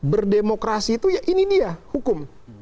berdemokrasi itu ya ini dia hukum